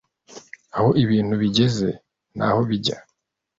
aho ibintu bigeze n'aho bijya